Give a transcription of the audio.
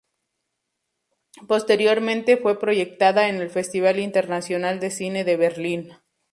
Posteriormente fue proyectada en el Festival Internacional de Cine de Berlín.